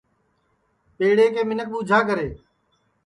پیڑے کے منکھ ٻوجھا کرے